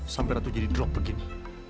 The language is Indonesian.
sampai ratu jadi drop begini